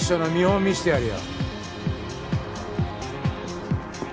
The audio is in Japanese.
見してやるよ。